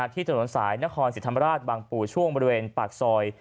ที่ถนนสายนครสิทธิ์ธรรมราชบางปู่ช่วงบริเวณปากซอย